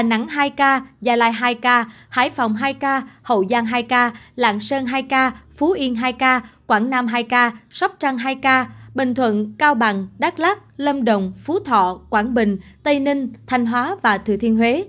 đà nẵng hai ca gia lai hai ca hải phòng hai ca hậu giang hai ca lạng sơn hai ca phú yên hai ca quảng nam hai ca sóc trăng hai ca bình thuận cao bằng đắk lắc lâm đồng phú thọ quảng bình tây ninh thanh hóa và thừa thiên huế